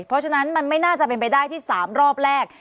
เพราะฉะนั้นมันไม่น่าจะเป็นไปได้ที่๓รอบแรก